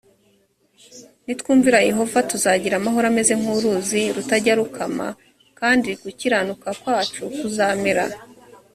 nitwumvira yehova tuzagira amahoro ameze nk uruzi rutajya rukama kandi gukiranuka kwacu kuzamera